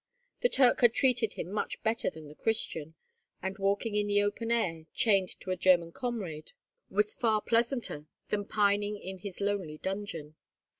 The Turk had treated him much better than the Christian; and walking in the open air, chained to a German comrade, was far pleasanter than pining in his lonely dungeon.